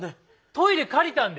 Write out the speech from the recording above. トイレ借りたんで？